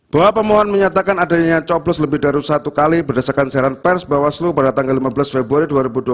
bahwa pemohon menyatakan adanya coblos lebih dari satu kali berdasarkan siaran pers bawaslu pada tanggal lima belas februari dua ribu dua puluh